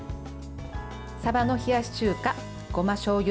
さば缶の冷やし中華ごましょうゆ